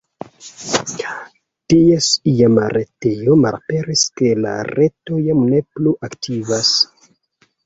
Ties iama retejo malaperis kaj la reto jam ne plu aktivas.